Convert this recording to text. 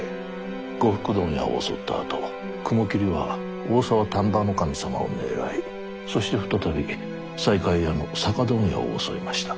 呉服問屋を襲ったあと雲霧は大沢丹波守様を狙いそして再び西海屋の酒問屋を襲いました。